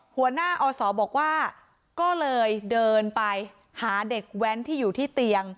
หัวหน้าอศบอกว่าก็เลยเดินไปหาเด็กแว้นที่อยู่ที่เตียง